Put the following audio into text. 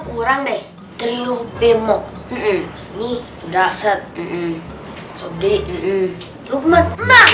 kurang deh triumfemo ini dasar sodi luqman